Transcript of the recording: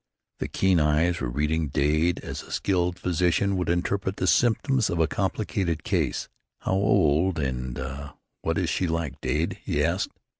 The keen eyes were reading Dade as a skilled physician would interpret the symptoms of a complicated case. "How old and what is she like, Dade?" he asked.